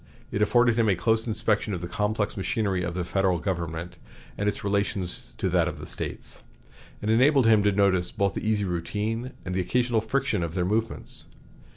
It afforded him a close inspection of the complex machinery of the Federal government and its relation to that of the States, and enabled him to notice both the easy routine and the occasional friction of their movements.